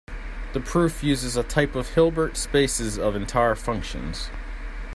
The proof uses a type of Hilbert spaces of entire functions.